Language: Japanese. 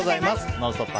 「ノンストップ！」